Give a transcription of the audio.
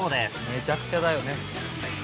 めちゃくちゃだよね。